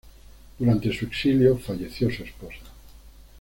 Durante su exilio falleció su esposa.